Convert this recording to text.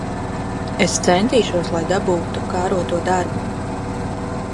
Es centīšos, lai dabūtu kāroto darbu.